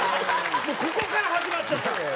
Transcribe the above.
もうここから始まっちゃった。